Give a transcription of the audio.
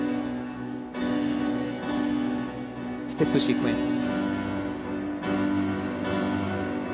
ステップシークエンス。